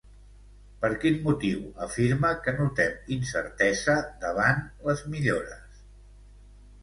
Per quin motiu afirma que notem incertesa davant les millores?